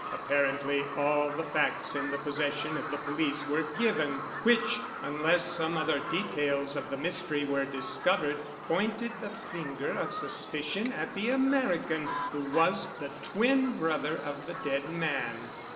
Apparently all the facts in the possession of the police were given, which, unless some other details of the mystery were discovered, pointed the finger of suspicion at the American, who was the twin brother of the dead man.